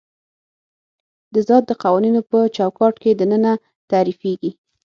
د ذات د قوانینو په چوکاټ کې دننه تعریفېږي.